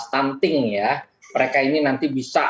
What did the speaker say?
stunting ya mereka ini nanti bisa